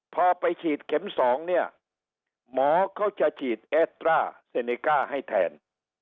พอไปฉีดเข็ม๒เนี่ยหมอเขาจะฉีดแอสตราเซเนก้าให้แทน